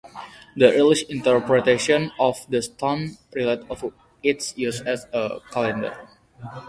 The earliest interpretations of the stone relate to its use as a calendar.